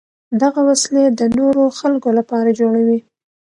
دغه وسلې د نورو خلکو لپاره جوړوي.